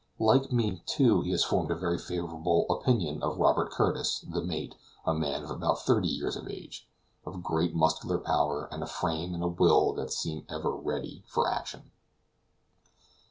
Like me, too, he has formed a very favorable opinion of Robert Curtis, the mate, a man of about thirty years of age, of great muscular power, with a frame and a will that seem ever ready for action.